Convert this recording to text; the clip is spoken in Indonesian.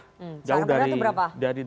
sangat rendah itu berapa